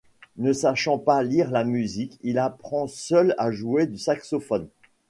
Ne sachant pas lire la musique, il apprend seul à jouer du saxophone.